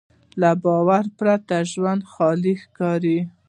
له باور پرته ژوند خالي ښکاري.